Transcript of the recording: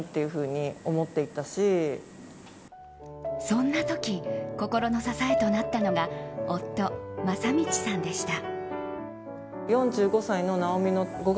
そんな時心の支えとなったのが夫・雅道さんでした。